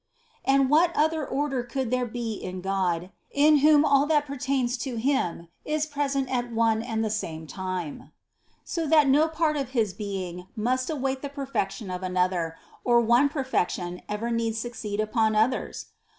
57. And what other order could there be in God, in whom all that pertains to Him is present at one and the same time, so that no part of His being must await the perfection of another, or one perfection ever need succeed upon others?